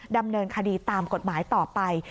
ดำเนินคดีตามกฎหมายต่อไป